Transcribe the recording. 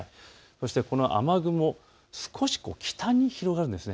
そしてこの雨雲少し北に広がるんです。